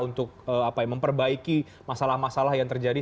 untuk memperbaiki masalah masalah yang terjadi